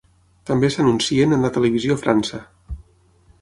També s'anuncien en la televisió a França.